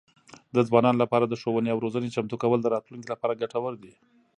د ځوانانو لپاره د ښوونې او روزنې چمتو کول د راتلونکي لپاره ګټور دي.